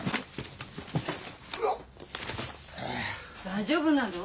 大丈夫なの？